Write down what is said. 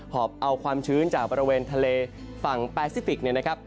อบเอาความชื้นจากบริเวณทะเลฝั่งแปซิฟิกเนี่ยนะครับ